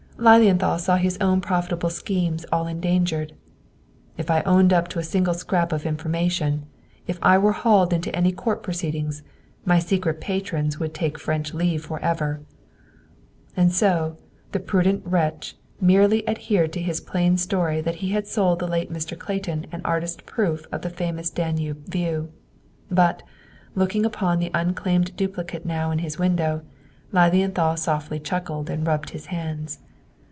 Lilienthal saw his own profitable schemes all endangered. "If I owned up to a single scrap of information, if I were hauled into any court proceedings, my secret patrons would take French leave forever!" And so, the prudent wretch merely adhered to his plain story that he had sold the late Mr. Clayton an artist proof of the famous Danube view. But, looking upon the unclaimed duplicate now in his window, Lilienthal softly chuckled and rubbed his hands.